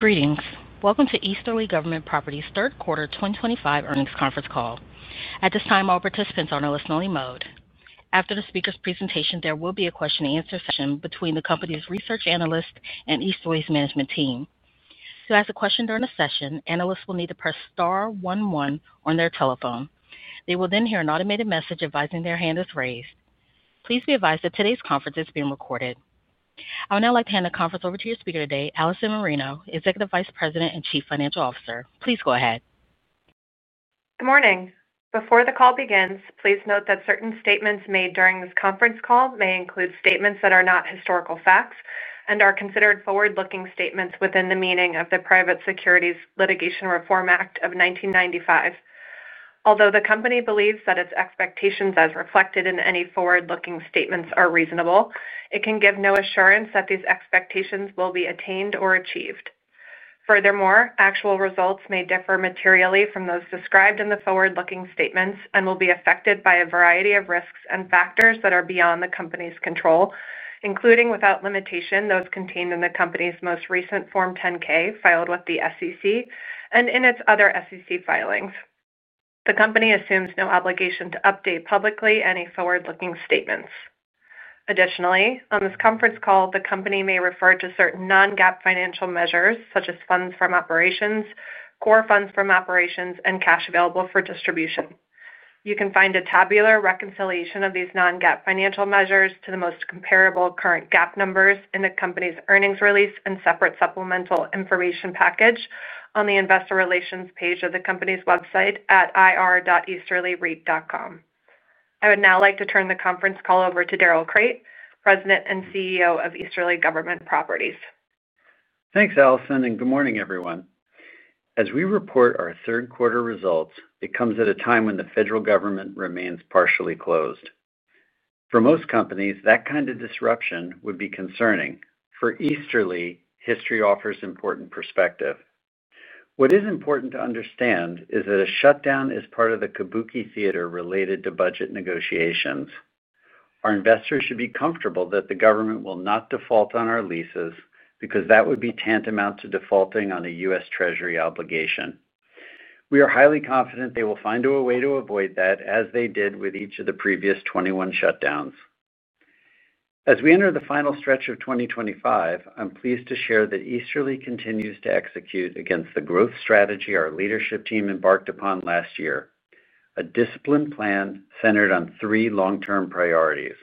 Greetings. Welcome to Easterly Government Properties' third quarter 2025 earnings conference call. At this time, all participants are in a listen-only mode. After the speaker's presentation, there will be a question-and-answer session between the company's research analyst and Easterly's management team. To ask a question during the session, analysts will need to press star one one on their telephone. They will then hear an automated message advising their hand is raised. Please be advised that today's conference is being recorded. I would now like to hand the conference over to your speaker today, Allison Marino, Executive Vice President and Chief Financial Officer. Please go ahead. Good morning. Before the call begins, please note that certain statements made during this conference call may include statements that are not historical facts and are considered forward-looking statements within the meaning of the Private Securities Litigation Reform Act of 1995. Although the company believes that its expectations, as reflected in any forward-looking statements, are reasonable, it can give no assurance that these expectations will be attained or achieved. Furthermore, actual results may differ materially from those described in the forward-looking statements and will be affected by a variety of risks and factors that are beyond the company's control, including without limitation those contained in the company's most recent Form 10-K filed with the SEC and in its other SEC filings. The company assumes no obligation to update publicly any forward-looking statements. Additionally, on this conference call, the company may refer to certain non-GAAP financial measures, such as funds from operations, core funds from operations, and cash available for distribution. You can find a tabular reconciliation of these non-GAAP financial measures to the most comparable current GAAP numbers in the company's earnings release and separate supplemental information package on the investor relations page of the company's website at ir.easterlyreit.com. I would now like to turn the conference call over to Darrell Crate, President and CEO of Easterly Government Properties. Thanks, Allison, and good morning, everyone. As we report our third quarter results, it comes at a time when the federal government remains partially closed. For most companies, that kind of disruption would be concerning. For Easterly, history offers important perspective. What is important to understand is that a shutdown is part of the Kabuki Theater related to budget negotiations. Our investors should be comfortable that the government will not default on our leases because that would be tantamount to defaulting on a U.S. Treasury obligation. We are highly confident they will find a way to avoid that, as they did with each of the previous 21 shutdowns. As we enter the final stretch of 2025, I'm pleased to share that Easterly continues to execute against the growth strategy our leadership team embarked upon last year: a disciplined plan centered on three long-term priorities.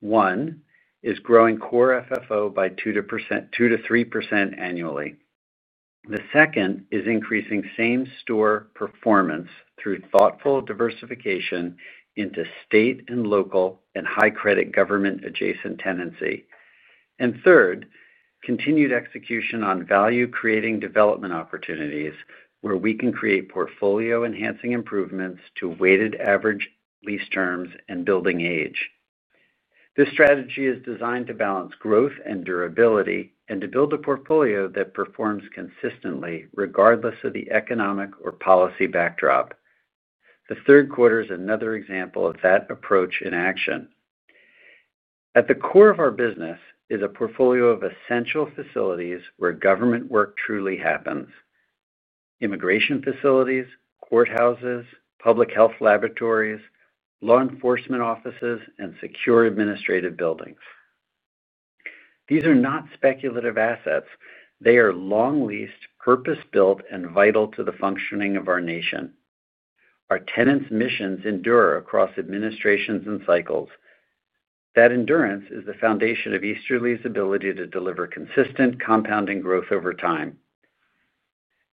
One is growing core FFO by 2%-3% annually. The second is increasing same-store performance through thoughtful diversification into state and local and high-credit government-adjacent tenancy. Third, continued execution on value-creating development opportunities where we can create portfolio-enhancing improvements to weighted average lease terms and building age. This strategy is designed to balance growth and durability and to build a portfolio that performs consistently regardless of the economic or policy backdrop. The third quarter is another example of that approach in action. At the core of our business is a portfolio of essential facilities where government work truly happens: immigration facilities, courthouses, public health laboratories, law enforcement offices, and secure administrative buildings. These are not speculative assets. They are long-leased, purpose-built, and vital to the functioning of our nation. Our tenants' missions endure across administrations and cycles. That endurance is the foundation of Easterly's ability to deliver consistent, compounding growth over time.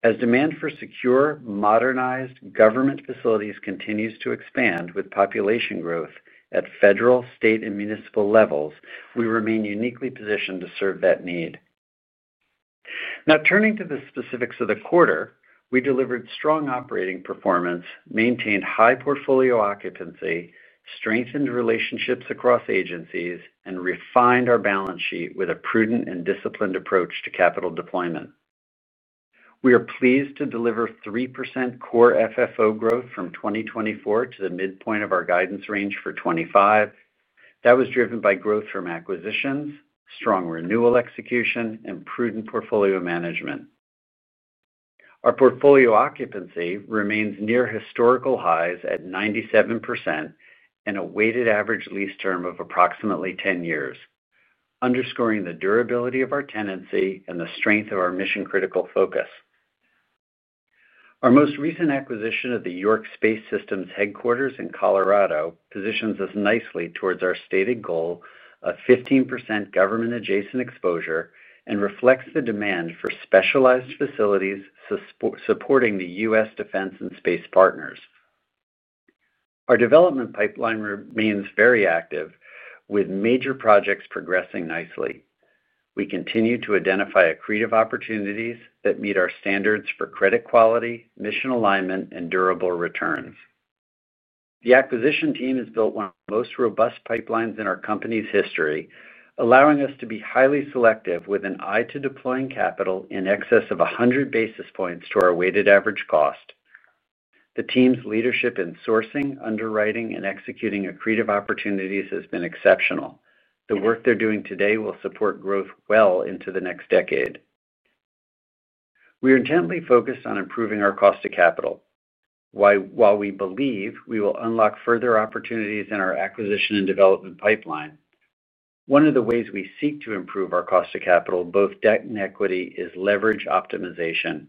As demand for secure, modernized government facilities continues to expand with population growth at federal, state, and municipal levels, we remain uniquely positioned to serve that need. Now, turning to the specifics of the quarter, we delivered strong operating performance, maintained high portfolio occupancy, strengthened relationships across agencies, and refined our balance sheet with a prudent and disciplined approach to capital deployment. We are pleased to deliver 3% core FFO growth from 2024 to the midpoint of our guidance range for 2025. That was driven by growth from acquisitions, strong renewal execution, and prudent portfolio management. Our portfolio occupancy remains near historical highs at 97% and a weighted average lease term of approximately 10 years, underscoring the durability of our tenancy and the strength of our mission-critical focus. Our most recent acquisition of the York Space Systems headquarters in Colorado positions us nicely towards our stated goal of 15% government-adjacent exposure and reflects the demand for specialized facilities supporting the U.S. defense and space partners. Our development pipeline remains very active, with major projects progressing nicely. We continue to identify accretive opportunities that meet our standards for credit quality, mission alignment, and durable returns. The acquisition team has built one of the most robust pipelines in our company's history, allowing us to be highly selective with an eye to deploying capital in excess of 100 basis points to our weighted average cost. The team's leadership in sourcing, underwriting, and executing accretive opportunities has been exceptional. The work they're doing today will support growth well into the next decade. We are intently focused on improving our cost of capital, while we believe we will unlock further opportunities in our acquisition and development pipeline. One of the ways we seek to improve our cost of capital, both debt and equity, is leverage optimization.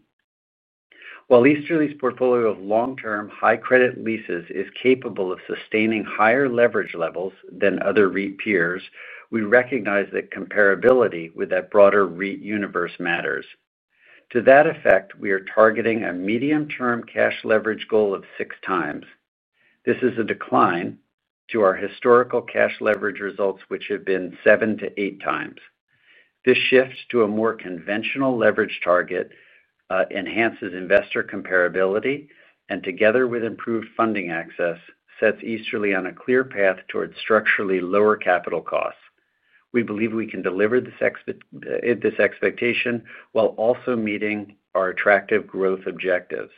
While Easterly's portfolio of long-term, high-credit leases is capable of sustaining higher leverage levels than other REIT peers, we recognize that comparability with that broader REIT universe matters. To that effect, we are targeting a medium-term cash leverage goal of six times. This is a decline to our historical cash leverage results, which have been seven to eight times. This shift to a more conventional leverage target enhances investor comparability, and together with improved funding access, sets Easterly on a clear path towards structurally lower capital costs. We believe we can deliver this expectation while also meeting our attractive growth objectives.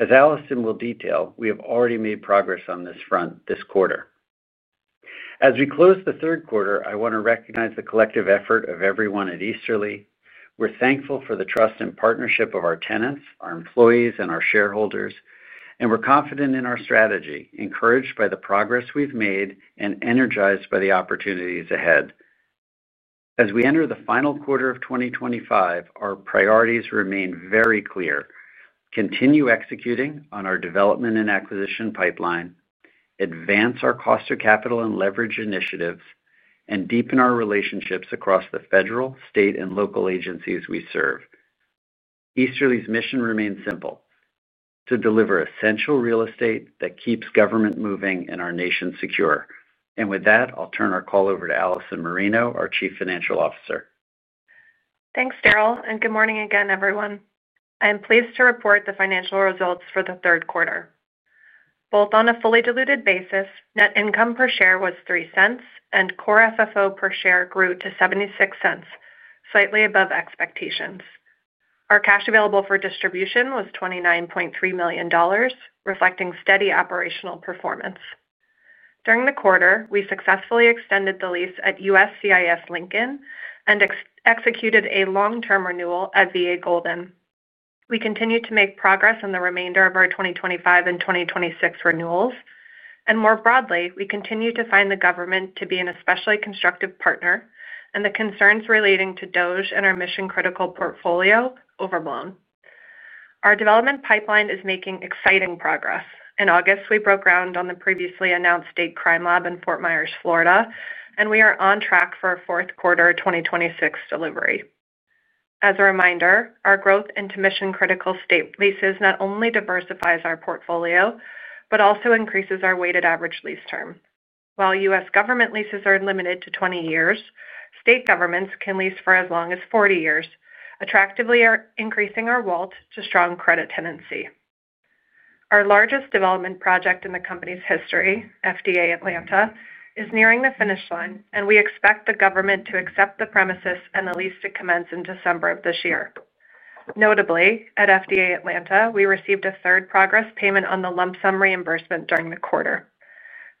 As Allison will detail, we have already made progress on this front this quarter. As we close the third quarter, I want to recognize the collective effort of everyone at Easterly. We're thankful for the trust and partnership of our tenants, our employees, and our shareholders, and we're confident in our strategy, encouraged by the progress we've made, and energized by the opportunities ahead. As we enter the final quarter of 2025, our priorities remain very clear: continue executing on our development and acquisition pipeline, advance our cost of capital and leverage initiatives, and deepen our relationships across the federal, state, and local agencies we serve. Easterly's mission remains simple: to deliver essential real estate that keeps government moving and our nation secure. With that, I'll turn our call over to Allison Marino, our Chief Financial Officer. Thanks, Darrell, and good morning again, everyone. I am pleased to report the financial results for the third quarter. Both on a fully diluted basis, net income per share was $0.03, and core FFO per share grew to $0.76, slightly above expectations. Our cash available for distribution was $29.3 million, reflecting steady operational performance. During the quarter, we successfully extended the lease at USCIS Lincoln and executed a long-term renewal at VA Golden. We continue to make progress in the remainder of our 2025 and 2026 renewals, and more broadly, we continue to find the government to be an especially constructive partner and the concerns relating to DOGE and our mission-critical portfolio overblown. Our development pipeline is making exciting progress. In August, we broke ground on the previously announced state crime lab in Fort Myers, Florida, and we are on track for a fourth quarter 2026 delivery. As a reminder, our growth into mission-critical state leases not only diversifies our portfolio but also increases our weighted average lease term. While U.S. government leases are limited to 20 years, state governments can lease for as long as 40 years, attractively increasing our WALT to strong credit tenancy. Our largest development project in the company's history, FDA Atlanta, is nearing the finish line, and we expect the government to accept the premises and the lease to commence in December of this year. Notably, at FDA Atlanta, we received a third progress payment on the lump sum reimbursement during the quarter.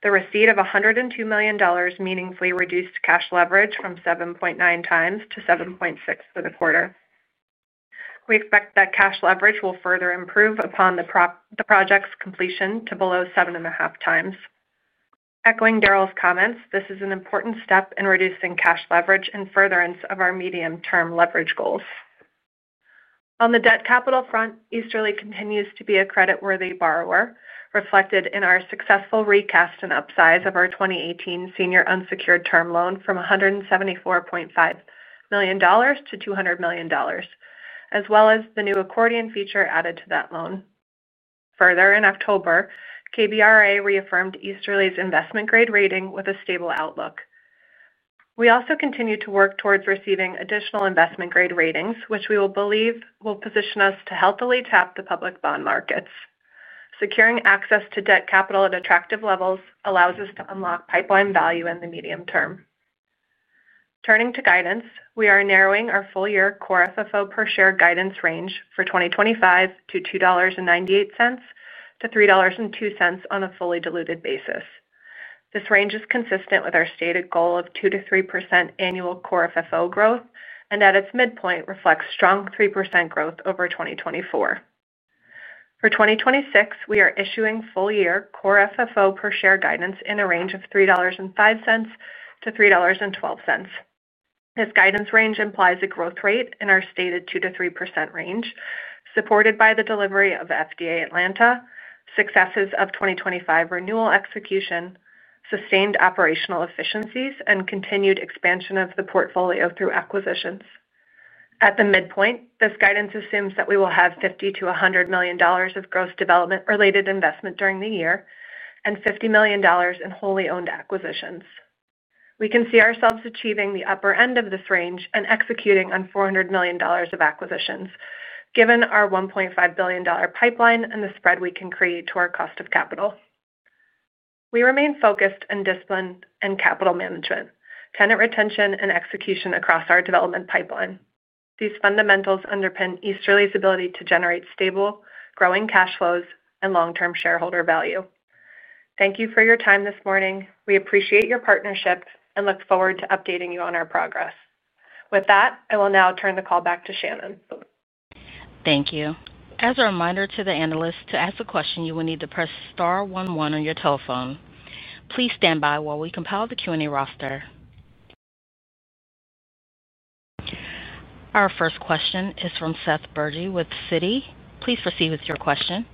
The receipt of $102 million meaningfully reduced cash leverage from 7.9x to 7.6x for the quarter. We expect that cash leverage will further improve upon the project's completion to below 7.5x. Echoing Darrell's comments, this is an important step in reducing cash leverage and furtherance of our medium-term leverage goals. On the debt capital front, Easterly continues to be a credit-worthy borrower, reflected in our successful recast and upsize of our 2018 senior unsecured term loan from $174.5 million to $200 million, as well as the new accordion feature added to that loan. Further, in October, KBRA reaffirmed Easterly's investment-grade rating with a stable outlook. We also continue to work towards receiving additional investment-grade ratings, which we believe will position us to healthily tap the public bond markets. Securing access to debt capital at attractive levels allows us to unlock pipeline value in the medium term. Turning to guidance, we are narrowing our full-year core FFO per share guidance range for 2025 to $2.98-$3.02 on a fully diluted basis. This range is consistent with our stated goal of 2%-3% annual core FFO growth, and at its midpoint reflects strong 3% growth over 2024. For 2026, we are issuing full-year core FFO per share guidance in a range of $3.05-$3.12. This guidance range implies a growth rate in our stated 2%-3% range, supported by the delivery of FDA Atlanta, successes of 2025 renewal execution, sustained operational efficiencies, and continued expansion of the portfolio through acquisitions. At the midpoint, this guidance assumes that we will have $50 million-$100 million of gross development-related investment during the year and $50 million in wholly owned acquisitions. We can see ourselves achieving the upper end of this range and executing on $400 million of acquisitions, given our $1.5 billion pipeline and the spread we can create to our cost of capital. We remain focused and disciplined in capital management, tenant retention, and execution across our development pipeline. These fundamentals underpin Easterly's ability to generate stable, growing cash flows and long-term shareholder value. Thank you for your time this morning. We appreciate your partnership and look forward to updating you on our progress. With that, I will now turn the call back to Shannon. Thank you. As a reminder to the analysts, to ask a question, you will need to press star one one on your telephone. Please stand by while we compile the Q&A roster. Our first question is from Seth Bergey with Citi. Please proceed with your question.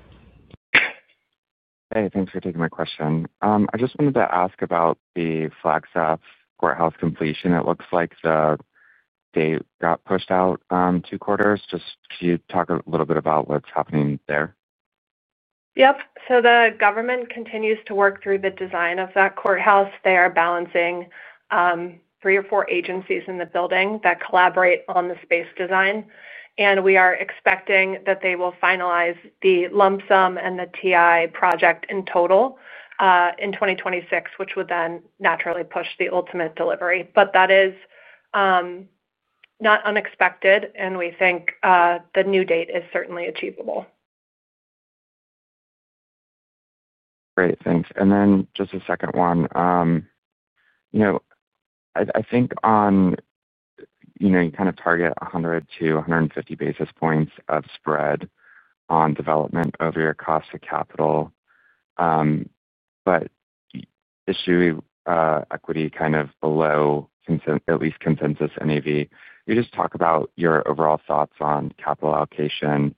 Hey, thanks for taking my question. I just wanted to ask about the Flagstaff Courthouse completion. It looks like the date got pushed out two quarters. Could you talk a little bit about what's happening there? The government continues to work through the design of that courthouse. They are balancing three or four agencies in the building that collaborate on the space design, and we are expecting that they will finalize the lump sum and the TI project in total in 2026, which would then naturally push the ultimate delivery. That is not unexpected, and we think the new date is certainly achievable. Great. Thanks. Just a second one. I think you kind of target 100-150 basis points of spread on development over your cost of capital, but issuing equity kind of below at least consensus NAV. Could you talk about your overall thoughts on capital allocation,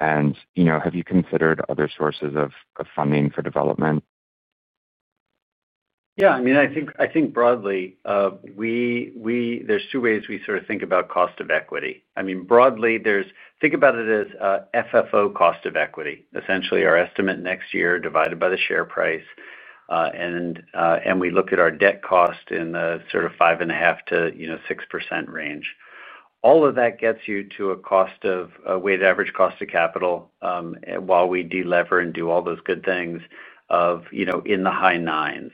and have you considered other sources of funding for development? Yeah. I mean, I think broadly, we, there's two ways we sort of think about cost of equity. I mean, broadly, there's think about it as FFO cost of equity. Essentially, our estimate next year divided by the share price, and we look at our debt cost in the sort of 5.5% to, you know, 6% range. All of that gets you to a weighted average cost of capital, while we delever and do all those good things, of, you know, in the high nines.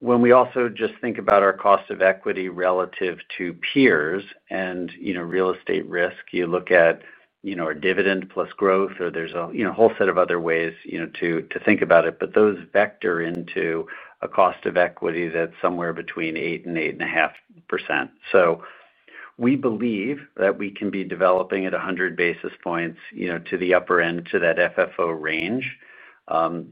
When we also just think about our cost of equity relative to peers and, you know, real estate risk, you look at, you know, our dividend plus growth, or there's a, you know, a whole set of other ways, you know, to think about it. Those vector into a cost of equity that's somewhere between 8% and 8.5%. We believe that we can be developing at 100 basis points, you know, to the upper end to that FFO range,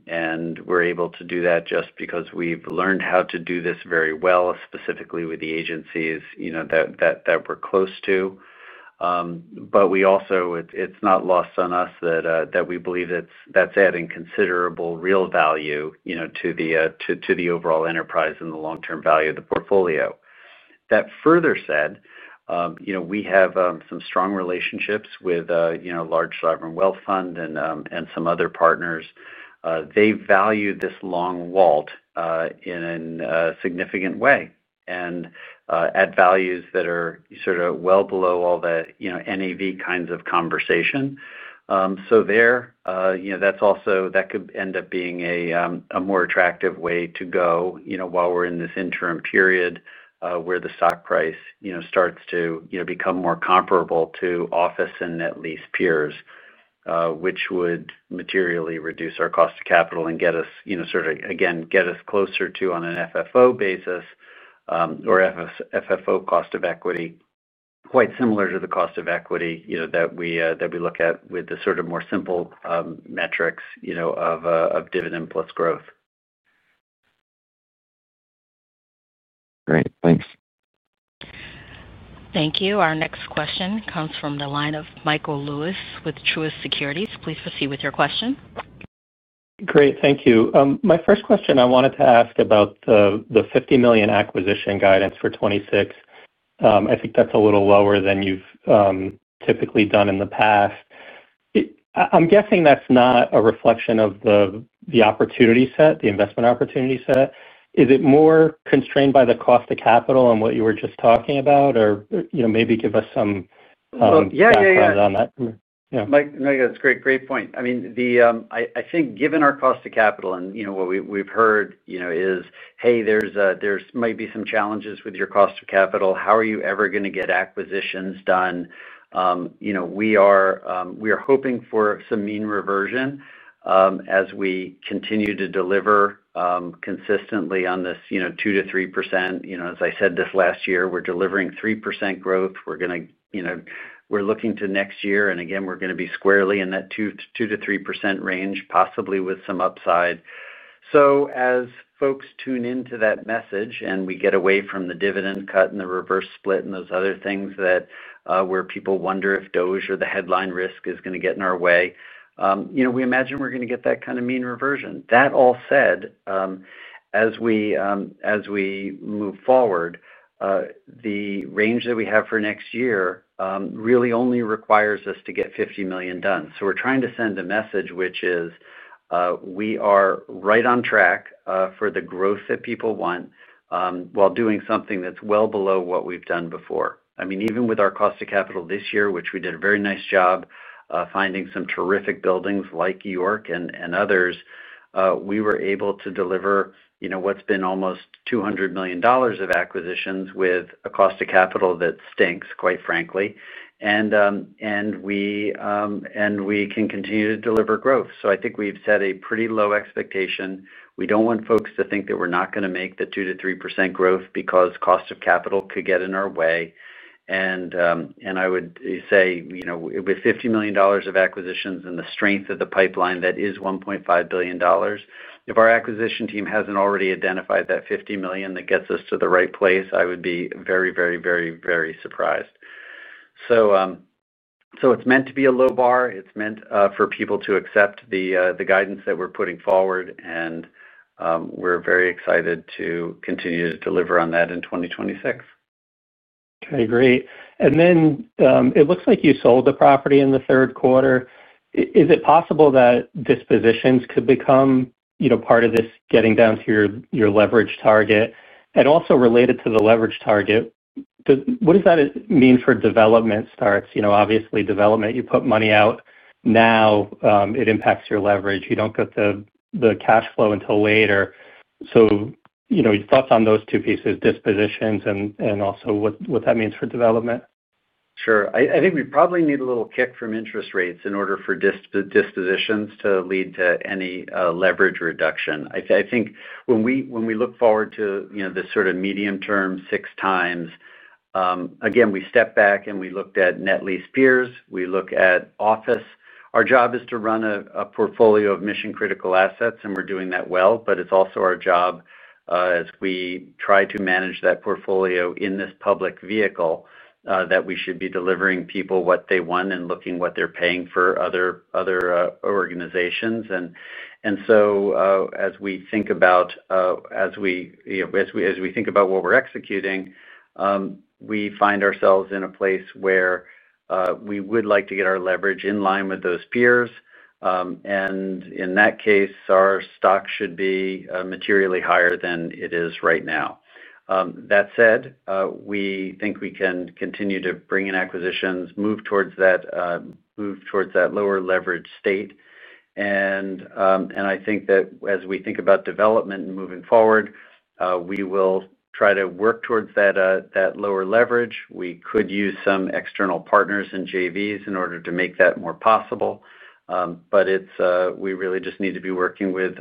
and we're able to do that just because we've learned how to do this very well, specifically with the agencies, you know, that we're close to. We also, it's not lost on us that we believe that's adding considerable real value, you know, to the overall enterprise and the long-term value of the portfolio. That further said, you know, we have some strong relationships with, you know, a large sovereign wealth fund and some other partners. They value this long WALT in a significant way and, at values that are sort of well below all the, you know, NAV kinds of conversation. There, you know, that's also that could end up being a more attractive way to go, you know, while we're in this interim period, where the stock price, you know, starts to become more comparable to office and net lease peers, which would materially reduce our cost of capital and get us, you know, sort of, again, get us closer to on an FFO basis, or FFO cost of equity, quite similar to the cost of equity, you know, that we look at with the sort of more simple metrics, you know, of dividend plus growth. Great. Thanks. Thank you. Our next question comes from the line of Michael Lewis with Truist Securities. Please proceed with your question. Great. Thank you. My first question, I wanted to ask about the $50 million acquisition guidance for 2026. I think that's a little lower than you've typically done in the past. I'm guessing that's not a reflection of the opportunity set, the investment opportunity set. Is it more constrained by the cost of capital and what you were just talking about, or maybe give us some thoughts on that? Yeah, Mike, that's a great, great point. I mean, I think given our cost of capital and what we've heard is, hey, there might be some challenges with your cost of capital. How are you ever going to get acquisitions done? We are hoping for some mean reversion as we continue to deliver consistently on this 2%-3%. As I said this last year, we're delivering 3% growth. We're looking to next year, and again, we're going to be squarely in that 2%-3% range, possibly with some upside. As folks tune into that message and we get away from the dividend cut and the reverse split and those other things where people wonder if DOGE or the headline risk is going to get in our way, we imagine we're going to get that kind of mean reversion. That all said, as we move forward, the range that we have for next year really only requires us to get $50 million done. We're trying to send a message, which is, we are right on track for the growth that people want, while doing something that's well below what we've done before. I mean, even with our cost of capital this year, which we did a very nice job finding some terrific buildings like York and others, we were able to deliver what's been almost $200 million of acquisitions with a cost of capital that stinks, quite frankly. We can continue to deliver growth. I think we've set a pretty low expectation. We don't want folks to think that we're not going to make the 2%-3% growth because cost of capital could get in our way. I would say, with $50 million of acquisitions and the strength of the pipeline that is $1.5 billion, if our acquisition team hasn't already identified that $50 million that gets us to the right place, I would be very, very, very, very surprised. It's meant to be a low bar. It's meant for people to accept the guidance that we're putting forward. We're very excited to continue to deliver on that in 2026. Okay. Great. It looks like you sold the property in the third quarter. Is it possible that dispositions could become part of this getting down to your leverage target? Also, related to the leverage target, what does that mean for development starts? Obviously, development, you put money out now, it impacts your leverage. You don't get the cash flow until later. Your thoughts on those two pieces, dispositions and also what that means for development? Sure. I think we probably need a little kick from interest rates in order for dispositions to lead to any leverage reduction. I think when we look forward to the sort of medium-term six times, again, we step back and we looked at net lease peers. We look at office. Our job is to run a portfolio of mission-critical assets, and we're doing that well. It's also our job, as we try to manage that portfolio in this public vehicle, that we should be delivering people what they want and looking at what they're paying for other organizations. As we think about what we're executing, we find ourselves in a place where we would like to get our leverage in line with those peers. In that case, our stock should be materially higher than it is right now. That said, we think we can continue to bring in acquisitions, move towards that lower leverage state. I think that as we think about development and moving forward, we will try to work towards that lower leverage. We could use some external partners and JVs in order to make that more possible. We really just need to be working with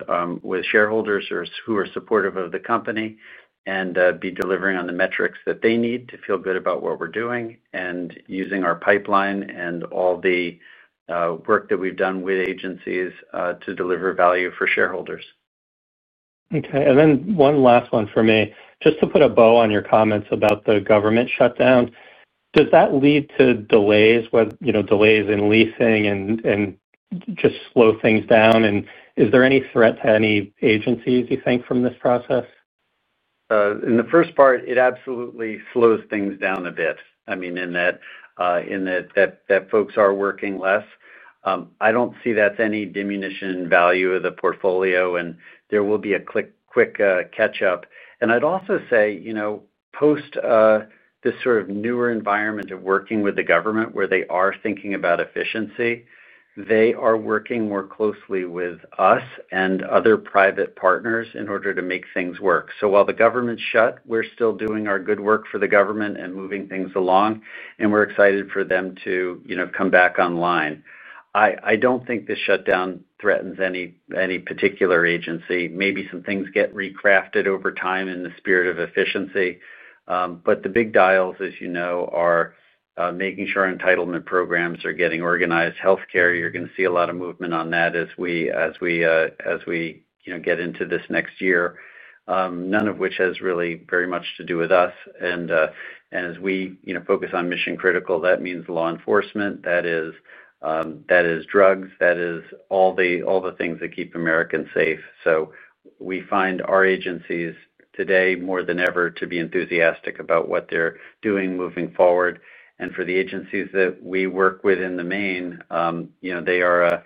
shareholders who are supportive of the company and be delivering on the metrics that they need to feel good about what we're doing and using our pipeline and all the work that we've done with agencies to deliver value for shareholders. Okay. One last one for me, just to put a bow on your comments about the government shutdown. Does that lead to delays, whether, you know, delays in leasing and just slow things down? Is there any threat to any agencies, you think, from this process? In the first part, it absolutely slows things down a bit. I mean, in that, folks are working less. I don't see that's any diminution in value of the portfolio, and there will be a quick, quick catch-up. I'd also say, post this sort of newer environment of working with the government where they are thinking about efficiency, they are working more closely with us and other private partners in order to make things work. While the government's shut, we're still doing our good work for the government and moving things along, and we're excited for them to come back online. I don't think this shutdown threatens any particular agency. Maybe some things get recrafted over time in the spirit of efficiency, but the big dials, as you know, are making sure entitlement programs are getting organized. Healthcare, you're going to see a lot of movement on that as we get into this next year, none of which has really very much to do with us. As we focus on mission-critical, that means law enforcement. That is drugs. That is all the things that keep Americans safe. We find our agencies today more than ever to be enthusiastic about what they're doing moving forward. For the agencies that we work with in the main, they are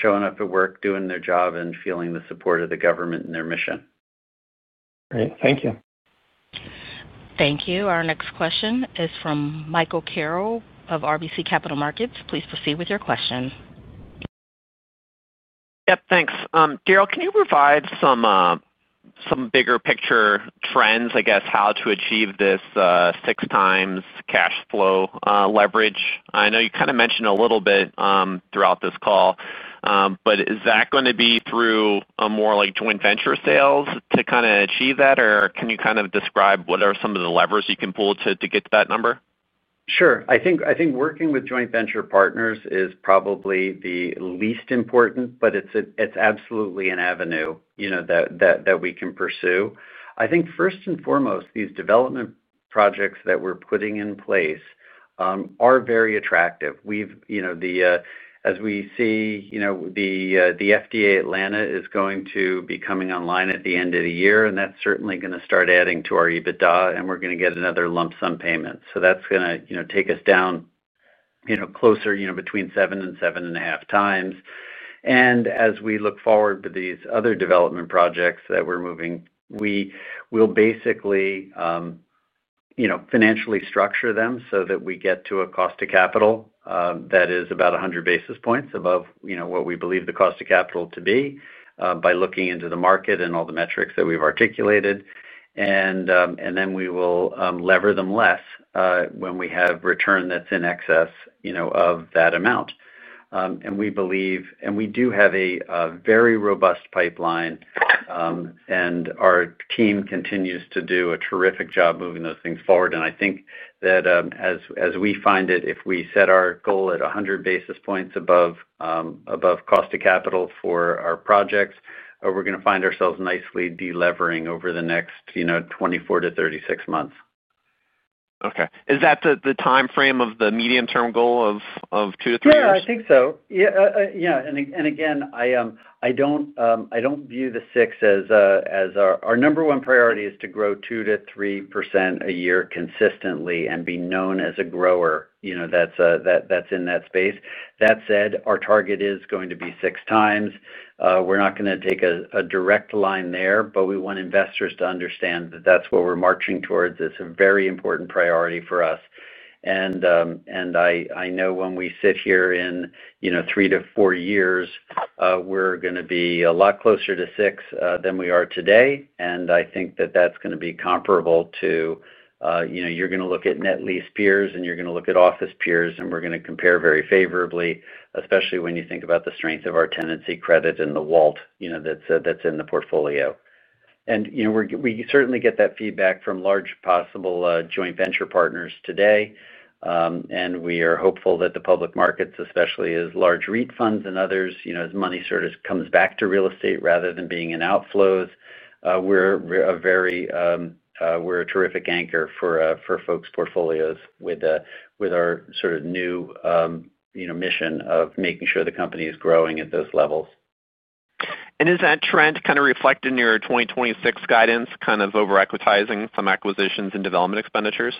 showing up at work, doing their job, and feeling the support of the government and their mission. Great. Thank you. Thank you. Our next question is from Michael Carroll of RBC Capital Markets. Please proceed with your question. Yep. Thanks. Darrell, can you provide some bigger picture trends, I guess, how to achieve this six times cash flow leverage? I know you kind of mentioned a little bit throughout this call, but is that going to be through a more like joint venture sales to kind of achieve that, or can you kind of describe what are some of the levers you can pull to get to that number? Sure. I think working with joint venture partners is probably the least important, but it's absolutely an avenue that we can pursue. I think first and foremost, these development projects that we're putting in place are very attractive. As we see, the FDA Atlanta is going to be coming online at the end of the year, and that's certainly going to start adding to our EBITDA, and we're going to get another lump sum payment. That's going to take us down closer, you know, between 7x and 7.5x. As we look forward to these other development projects that we're moving, we will basically financially structure them so that we get to a cost of capital that is about 100 basis points above what we believe the cost of capital to be, by looking into the market and all the metrics that we've articulated. Then we will lever them less when we have return that's in excess of that amount. We believe, and we do have, a very robust pipeline, and our team continues to do a terrific job moving those things forward. I think that as we find it, if we set our goal at 100 basis points above cost of capital for our projects, we're going to find ourselves nicely delevering over the next 24-36 months. Okay. Is that the timeframe of the medium-term goal of 2%-3%? Yeah, I think so. Yeah. I don't view the 6 as our number one priority. Our priority is to grow 2%-3% a year consistently and be known as a grower, you know, that's in that space. That said, our target is going to be six times. We're not going to take a direct line there, but we want investors to understand that that's what we're marching towards. It's a very important priority for us. I know when we sit here in, you know, three to four years, we're going to be a lot closer to 6 than we are today. I think that that's going to be comparable to, you know, you're going to look at net lease peers and you're going to look at office peers, and we're going to compare very favorably, especially when you think about the strength of our tenancy credit and the WALT, you know, that's in the portfolio. We certainly get that feedback from large possible joint venture partners today, and we are hopeful that the public markets, especially as large REIT funds and others, you know, as money sort of comes back to real estate rather than being in outflows, we're a terrific anchor for folks' portfolios with our sort of new mission of making sure the company is growing at those levels. Is that trend kind of reflected in your 2026 guidance, kind of over-acquitizing some acquisitions and development expenditures?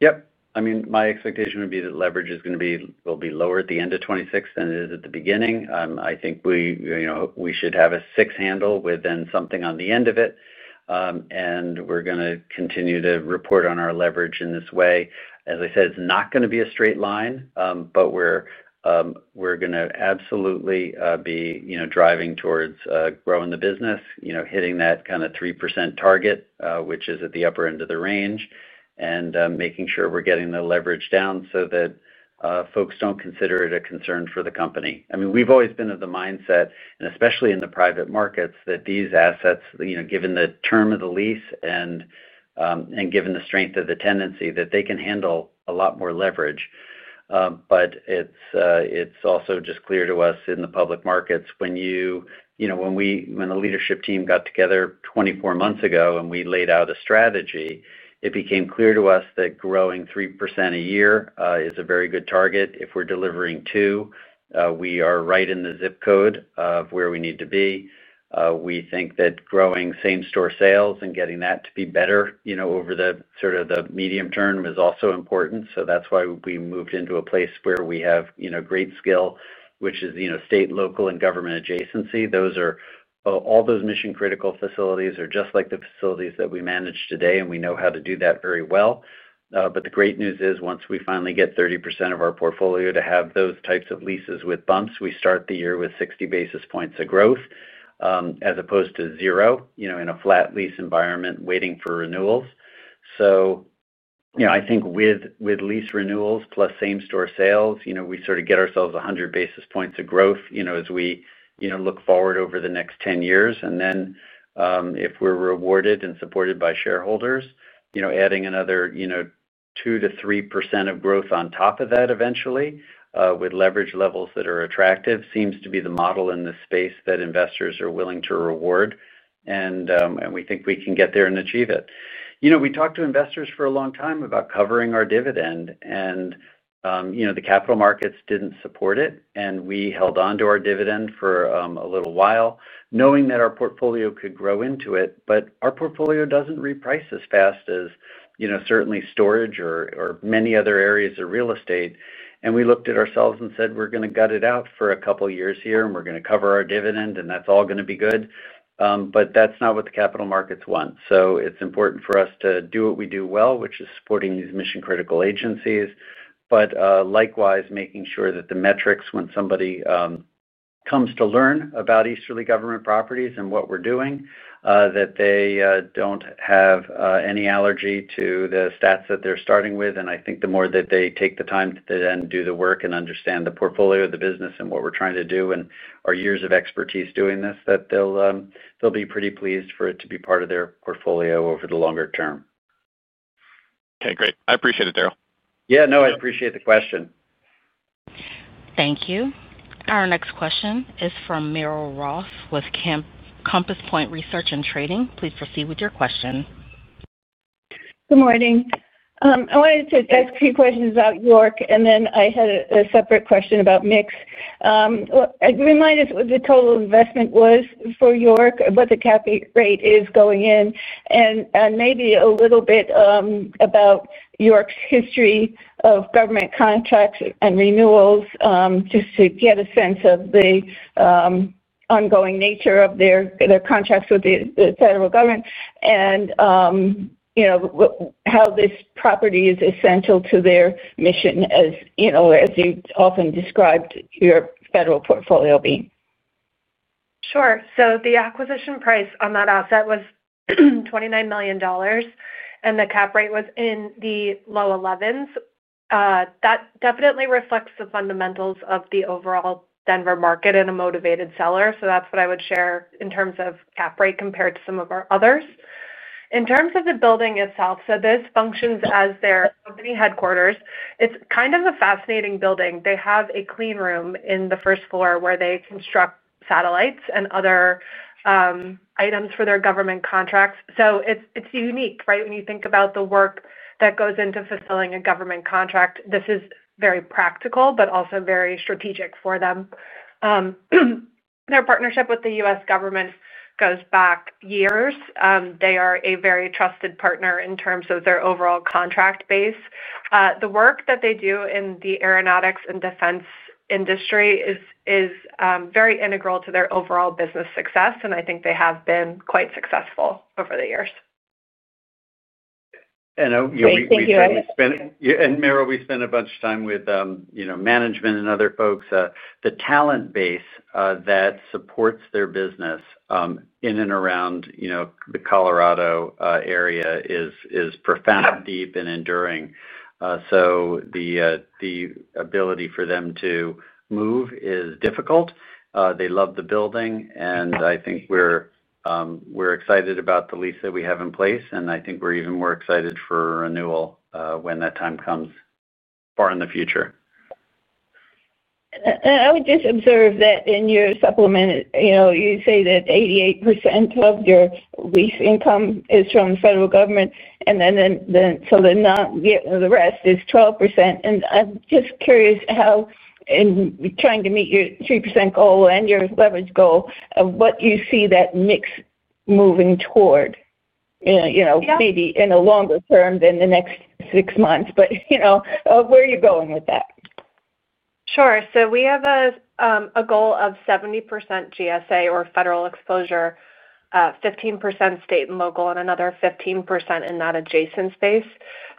Yep. I mean, my expectation would be that leverage is going to be lower at the end of 2026 than it is at the beginning. I think we, you know, we should have a 6 handle with then something on the end of it, and we're going to continue to report on our leverage in this way. As I said, it's not going to be a straight line, but we're going to absolutely be, you know, driving towards growing the business, you know, hitting that kind of 3% target, which is at the upper end of the range, and making sure we're getting the leverage down so that folks don't consider it a concern for the company. I mean, we've always been of the mindset, and especially in the private markets, that these assets, you know, given the term of the lease and given the strength of the tenancy, that they can handle a lot more leverage. It's also just clear to us in the public markets when you, you know, when we, when the leadership team got together 24 months ago and we laid out a strategy, it became clear to us that growing 3% a year is a very good target. If we're delivering 2, we are right in the zip code of where we need to be. We think that growing same-store sales and getting that to be better, you know, over the sort of the medium term is also important. That's why we moved into a place where we have, you know, great skill, which is, you know, state, local, and government adjacency. All those mission-critical facilities are just like the facilities that we manage today, and we know how to do that very well. The great news is once we finally get 30% of our portfolio to have those types of leases with bumps, we start the year with 60 basis points of growth, as opposed to zero, you know, in a flat lease environment waiting for renewals. I think with lease renewals plus same-store sales, you know, we sort of get ourselves 100 basis points of growth, you know, as we look forward over the next 10 years. If we're rewarded and supported by shareholders, you know, adding another 2%-3% of growth on top of that eventually, with leverage levels that are attractive, seems to be the model in this space that investors are willing to reward. We think we can get there and achieve it. You know, we talked to investors for a long time about covering our dividend, and, you know, the capital markets didn't support it. We held on to our dividend for a little while, knowing that our portfolio could grow into it. Our portfolio doesn't reprice as fast as, you know, certainly storage or many other areas of real estate. We looked at ourselves and said, "We're going to gut it out for a couple of years here, and we're going to cover our dividend, and that's all going to be good." That's not what the capital markets want. It is important for us to do what we do well, which is supporting these mission-critical agencies, and likewise, making sure that the metrics when somebody comes to learn about Easterly Government Properties and what we're doing, that they don't have any allergy to the stats that they're starting with. I think the more that they take the time to then do the work and understand the portfolio of the business and what we're trying to do and our years of expertise doing this, that they'll be pretty pleased for it to be part of their portfolio over the longer term. Okay. Great. I appreciate it, Darrell. Yeah, no, I appreciate the question. Thank you. Our next question is from Merrill Ross with Compass Point Research & Trading. Please proceed with your question. Good morning. I wanted to ask a few questions about York, and then I had a separate question about mix. Remind us what the total investment was for York, what the cap rate is going in, and maybe a little bit about York's history of government contracts and renewals, just to get a sense of the ongoing nature of their contracts with the federal government and, you know, how this property is essential to their mission as, you know, as you often described your federal portfolio being. Sure. The acquisition price on that asset was $29 million, and the cap rate was in the low 11%. That definitely reflects the fundamentals of the overall Denver market and a motivated seller. That's what I would share in terms of cap rate compared to some of our others. In terms of the building itself, this functions as their company headquarters. It's kind of a fascinating building. They have a clean room on the first floor where they construct satellites and other items for their government contracts. It's unique, right? When you think about the work that goes into fulfilling a government contract, this is very practical but also very strategic for them. Their partnership with the U.S. government goes back years. They are a very trusted partner in terms of their overall contract base. The work that they do in the aeronautics and defense industry is very integral to their overall business success, and I think they have been quite successful over the years. We spend. That's great. Merrill, we spend a bunch of time with management and other folks. The talent base that supports their business in and around the Colorado area is profound, deep, and enduring. The ability for them to move is difficult. They love the building, and I think we're excited about the lease that we have in place. I think we're even more excited for renewal when that time comes far in the future. I would just observe that in your supplement, you say that 88% of your lease income is from the federal government. The rest is 12%. I'm just curious how, in trying to meet your 3% goal and your leverage goal, what you see that mix moving toward, maybe in a longer term than the next six months. Where are you going with that? Sure. We have a goal of 70% GSA or federal exposure, 15% state and local, and another 15% in that adjacent space.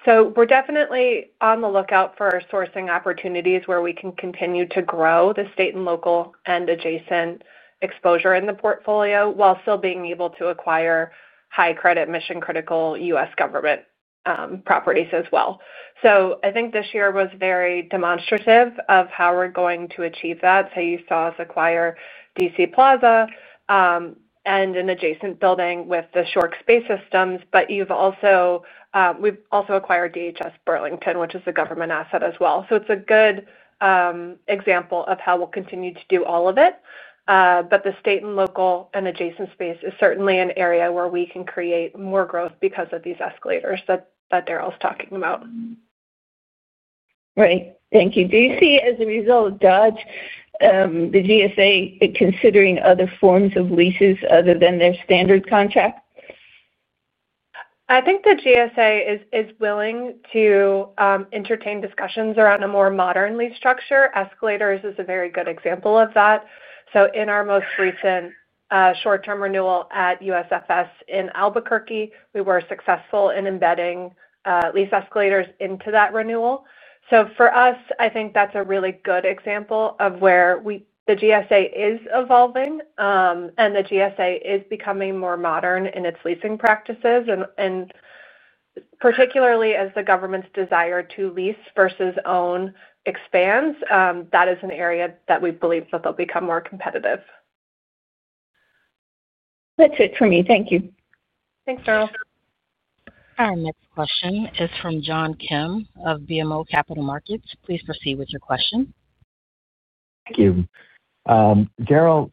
We're definitely on the lookout for sourcing opportunities where we can continue to grow the state and local and adjacent exposure in the portfolio while still being able to acquire high-credit, mission-critical U.S. government properties as well. I think this year was very demonstrative of how we're going to achieve that. You saw us acquire DC Plaza, and an adjacent building with the York Space Systems. We've also acquired DHS Burlington, which is a government asset as well. It's a good example of how we'll continue to do all of it, but the state and local and adjacent space is certainly an area where we can create more growth because of these escalators that Darrell's talking about. Right. Thank you. Do you see, as a result, the GSA considering other forms of leases other than their standard contract? I think the GSA is willing to entertain discussions around a more modern lease structure. Escalators is a very good example of that. In our most recent short-term renewal at USFS in Albuquerque, we were successful in embedding lease escalators into that renewal. For us, I think that's a really good example of where the GSA is evolving, and the GSA is becoming more modern in its leasing practices. Particularly as the government's desire to lease versus own expands, that is an area that we believe that they'll become more competitive. That's it for me. Thank you. Thanks, [Merrill]. Our next question is from John Kim of BMO Capital Markets. Please proceed with your question. Thank you. Darrell,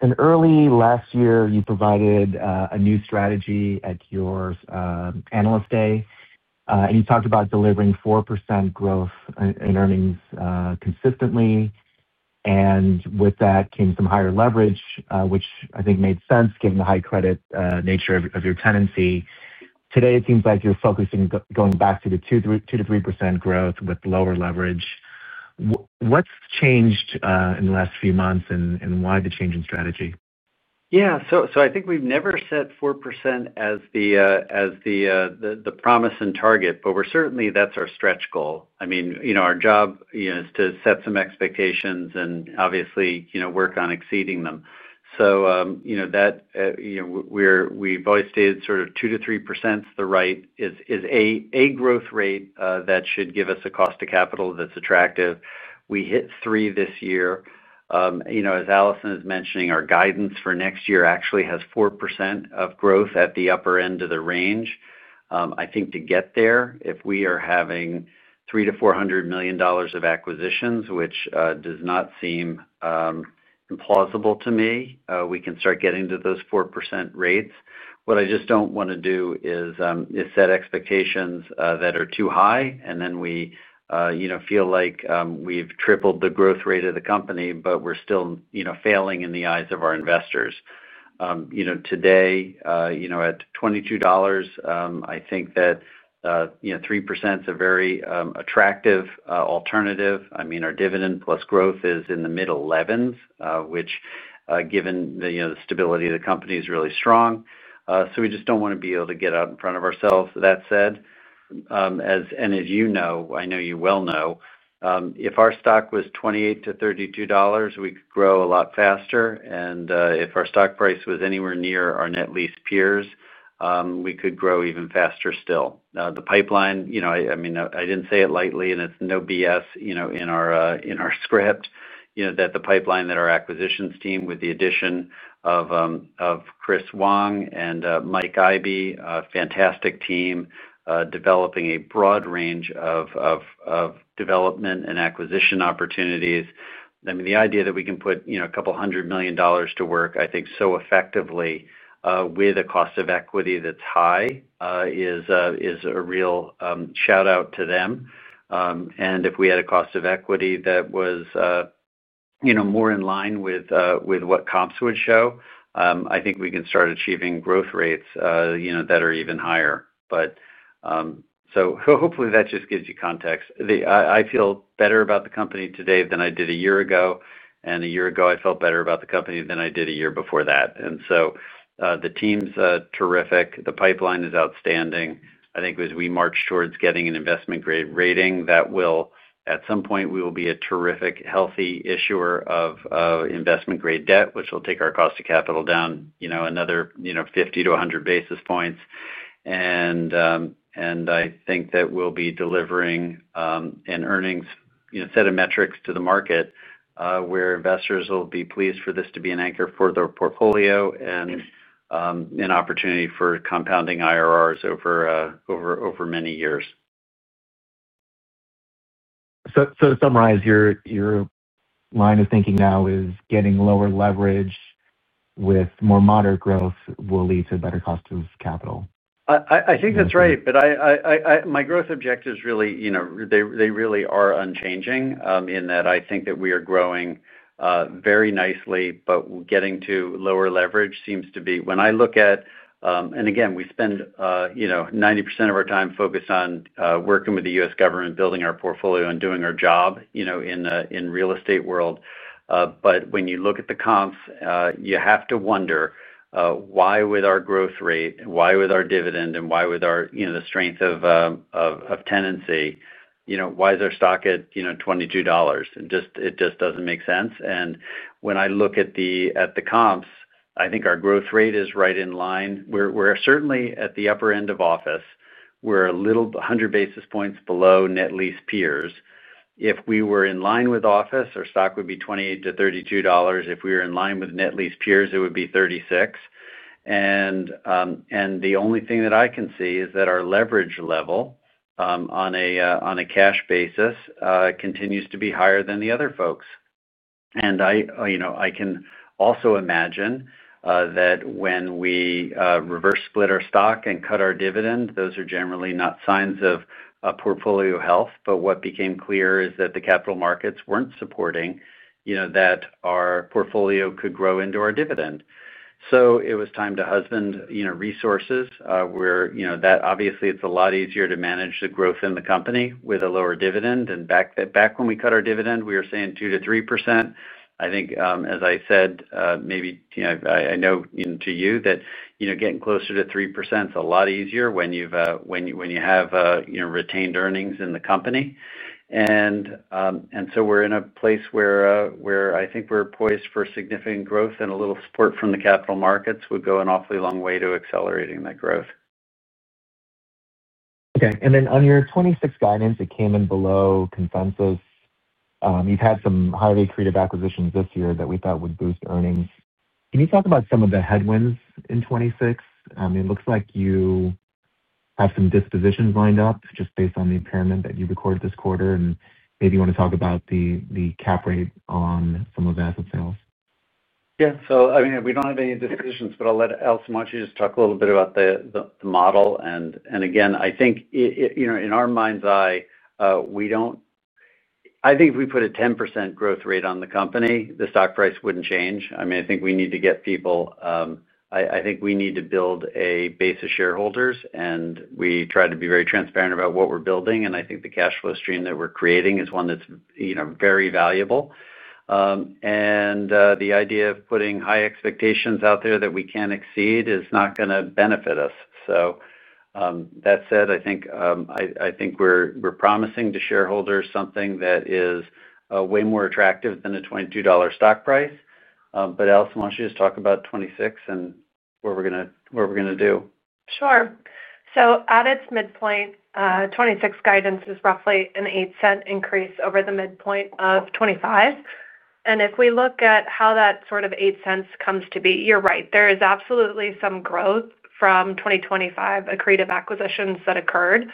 in early last year, you provided a new strategy at your analyst day, and you talked about delivering 4% growth in earnings consistently. With that came some higher leverage, which I think made sense given the high-credit nature of your tenancy. Today, it seems like you're focusing going back to the 2%-3% growth with lower leverage. What's changed in the last few months and why the change in strategy? Yeah. I think we've never set 4% as the promise and target, but that's our stretch goal. I mean, our job is to set some expectations and obviously work on exceeding them. We've always stayed sort of 2%-3% is a growth rate that should give us a cost of capital that's attractive. We hit 3% this year. As Allison is mentioning, our guidance for next year actually has 4% of growth at the upper end of the range. I think to get there, if we are having $300 million-$400 million of acquisitions, which does not seem implausible to me, we can start getting to those 4% rates. What I just don't want to do is set expectations that are too high, and then we feel like we've tripled the growth rate of the company, but we're still failing in the eyes of our investors. Today, at $22, I think that 3% is a very attractive alternative. Our dividend plus growth is in the mid-11s, which, given the stability of the company, is really strong. We just don't want to be able to get out in front of ourselves. That said, as you know, I know you well know, if our stock was $28-$32, we could grow a lot faster. If our stock price was anywhere near our net lease peers, we could grow even faster still. The pipeline, I mean, I didn't say it lightly, and it's no BS, in our script, that the pipeline that our acquisitions team, with the addition of Chris Wang and Mike Ibe, a fantastic team, developing a broad range of development and acquisition opportunities. The idea that we can put a couple hundred million dollars to work, I think, so effectively, with a cost of equity that's high, is a real shout-out to them. If we had a cost of equity that was more in line with what comps would show, I think we can start achieving growth rates that are even higher. Hopefully, that just gives you context. I feel better about the company today than I did a year ago. A year ago, I felt better about the company than I did a year before that. The team's terrific. The pipeline is outstanding. I think as we march towards getting an investment-grade rating, at some point, we will be a terrific, healthy issuer of investment-grade debt, which will take our cost of capital down another 50-100 basis points. I think that we'll be delivering an earnings set of metrics to the market, where investors will be pleased for this to be an anchor for their portfolio and an opportunity for compounding IRRs over many years. To summarize, your line of thinking now is getting lower leverage with more moderate growth will lead to a better cost of capital. I think that's right. My growth objectives really, you know, they really are unchanging, in that I think that we are growing very nicely, but getting to lower leverage seems to be, when I look at, and again, we spend 90% of our time focused on working with the U.S. government, building our portfolio, and doing our job in the real estate world. When you look at the comps, you have to wonder, why with our growth rate, why with our dividend, and why with the strength of tenancy, why is our stock at $22? It just doesn't make sense. When I look at the comps, I think our growth rate is right in line. We're certainly at the upper end of office. We're a little 100 basis points below net lease peers. If we were in line with office, our stock would be $28-$32. If we were in line with net lease peers, it would be $36. The only thing that I can see is that our leverage level, on a cash basis, continues to be higher than the other folks. I can also imagine that when we reverse split our stock and cut our dividend, those are generally not signs of portfolio health. What became clear is that the capital markets weren't supporting that our portfolio could grow into our dividend. It was time to husband resources, where obviously, it's a lot easier to manage the growth in the company with a lower dividend. Back when we cut our dividend, we were saying 2%-3%. I think, as I said, maybe, I know, to you that getting closer to 3% is a lot easier when you have retained earnings in the company. We're in a place where I think we're poised for significant growth and a little support from the capital markets would go an awfully long way to accelerating that growth. Okay. On your 2026 guidance, it came in below consensus. You've had some highly accretive acquisitions this year that we thought would boost earnings. Can you talk about some of the headwinds in 2026? It looks like you have some dispositions lined up just based on the impairment that you recorded this quarter. Maybe you want to talk about the cap rate on some of the asset sales. Yeah. I mean, we don't have any dispositions, but I'll let Allison, why don't you just talk a little bit about the model? I think, you know, in our mind's eye, if we put a 10% growth rate on the company, the stock price wouldn't change. I think we need to get people, I think we need to build a base of shareholders, and we try to be very transparent about what we're building. I think the cash flow stream that we're creating is one that's very valuable. The idea of putting high expectations out there that we can't exceed is not going to benefit us. That said, I think we're promising to shareholders something that is way more attractive than a $22 stock price. Allison, why don't you just talk about 2026 and what we're going to do? Sure. At its midpoint, 2026 guidance is roughly an $0.08 increase over the midpoint of 2025. If we look at how that $0.08 comes to be, you're right. There is absolutely some growth from 2025 accretive acquisitions that occurred.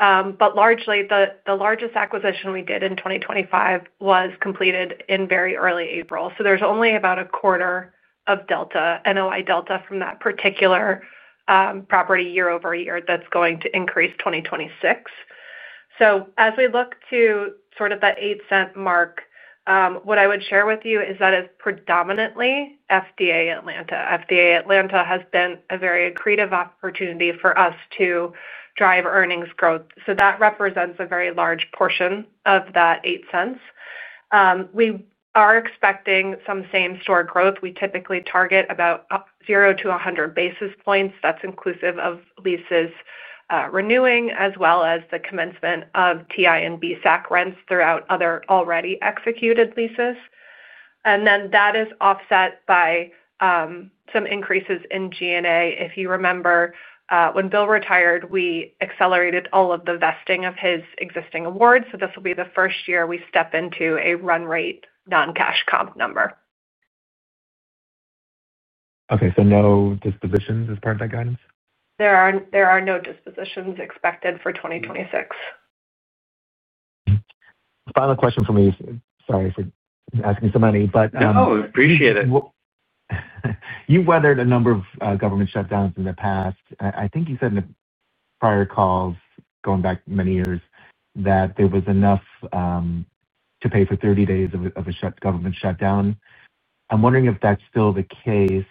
Largely, the largest acquisition we did in 2025 was completed in very early April. There's only about a quarter of NOI delta from that particular property year-over-year that's going to increase 2026. As we look to that $0.08 mark, what I would share with you is that it's predominantly FDA Atlanta. FDA Atlanta has been a very accretive opportunity for us to drive earnings growth. That represents a very large portion of that $0.08. We are expecting some same-store growth. We typically target about 0 to 100 basis points. That's inclusive of leases renewing as well as the commencement of TI and BSAC rents throughout other already executed leases. That is offset by some increases in G&A. If you remember, when Bill retired, we accelerated all of the vesting of his existing awards. This will be the first year we step into a run rate non-cash comp number. Okay. No dispositions as part of that guidance? There are no dispositions expected for 2026. Final question for me is, sorry for asking so many, but. No, I appreciate it. You weathered a number of government shutdowns in the past. I think you said in the prior calls going back many years that there was enough to pay for 30 days of a government shutdown. I'm wondering if that's still the case,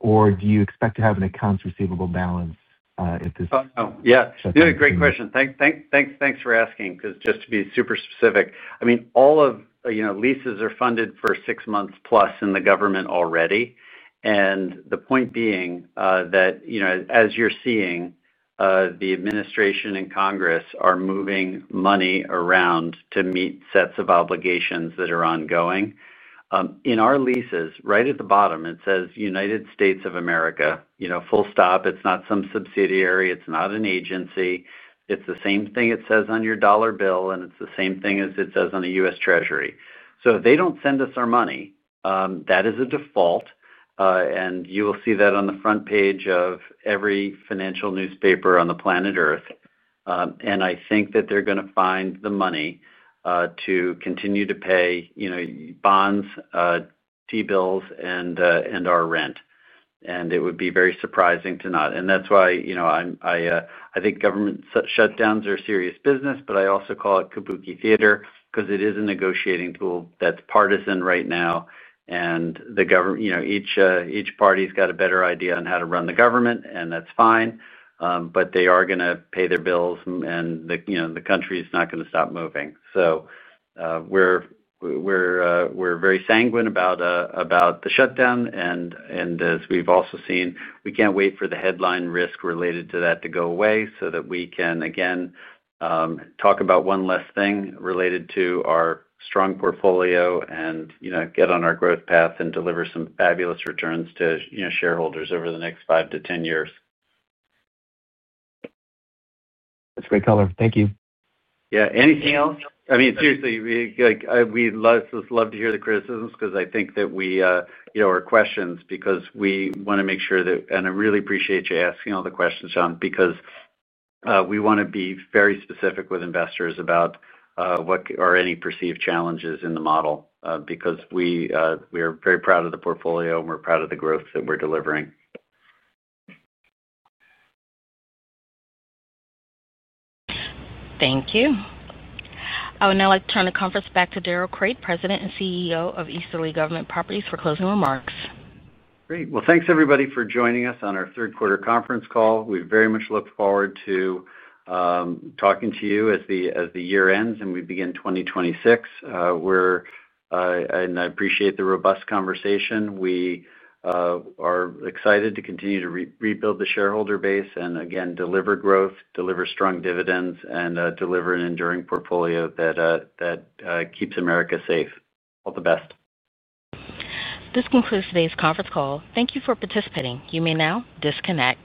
or do you expect to have an accounts receivable balance at this? Yeah, you had a great question. Thanks for asking because just to be super specific, all of our leases are funded for six months plus in the government already. The point being, as you're seeing, the administration and Congress are moving money around to meet sets of obligations that are ongoing. In our leases, right at the bottom, it says United States of America, full stop. It's not some subsidiary. It's not an agency. It's the same thing it says on your dollar bill, and it's the same thing as it says on the U.S. Treasury. If they don't send us our money, that is a default, and you will see that on the front page of every financial newspaper on the planet Earth. I think that they're going to find the money to continue to pay bonds, T-bills, and our rent. It would be very surprising to not. That's why I think government shutdowns are serious business, but I also call it kabuki theater because it is a negotiating tool that's partisan right now. The government, each party's got a better idea on how to run the government, and that's fine, but they are going to pay their bills, and the country is not going to stop moving. We're very sanguine about the shutdown. As we've also seen, we can't wait for the headline risk related to that to go away so that we can again talk about one less thing related to our strong portfolio and get on our growth path and deliver some fabulous returns to shareholders over the next 5-10 years. That's great, Darrell. Thank you. Yeah. Anything else? I mean, seriously, we'd love to hear the criticisms because I think that we, you know, or questions because we want to make sure that, and I really appreciate you asking all the questions, John, because we want to be very specific with investors about what are any perceived challenges in the model, because we are very proud of the portfolio, and we're proud of the growth that we're delivering. Thank you. I'll now like to turn the conference back to Darrell Crate, President and CEO of Easterly Government Properties, for closing remarks. Great. Thanks, everybody, for joining us on our third-quarter conference call. We very much look forward to talking to you as the year ends and we begin 2026. I appreciate the robust conversation. We are excited to continue to rebuild the shareholder base and, again, deliver growth, deliver strong dividends, and deliver an enduring portfolio that keeps America safe. All the best. This concludes today's conference call. Thank you for participating. You may now disconnect.